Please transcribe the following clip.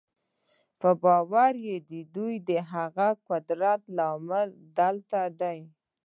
په باور یې دوی د هغه قدرت له امله دلته دي